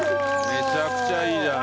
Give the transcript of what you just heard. めちゃくちゃいいじゃない。